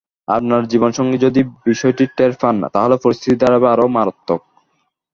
আপনার জীবনসঙ্গী যদি বিষয়টি টের পান, তাহলে পরিস্থিতি দাঁড়াবে আরও মারাত্মক।